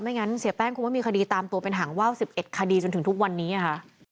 งั้นเสียแป้งคงไม่มีคดีตามตัวเป็นหางว่าว๑๑คดีจนถึงทุกวันนี้ค่ะ